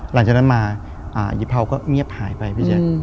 หลังจากนั้นมายิภาวก็เงียบหายไปพี่แจ๊ค